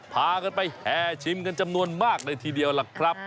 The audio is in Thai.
พากันไปแห่ชิมกันจำนวนมากเลยทีเดียวล่ะครับ